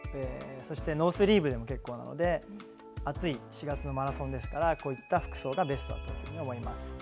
そして、ノースリーブでも結構なので暑い４月のマラソンですからこういった服装がベストだと思います。